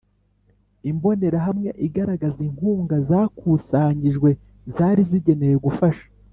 Imbonerahamwe igaragaza inkunga zakusanyijwe zari zigenewe gufasha